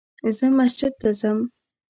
زه مسجد ته ځم